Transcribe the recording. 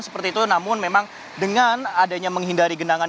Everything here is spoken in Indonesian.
seperti itu namun memang dengan adanya menghindari genangan